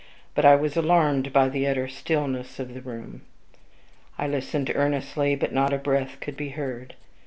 But I was alarmed by the utter stillness of the room. I listened earnestly, but not a breath could be heard.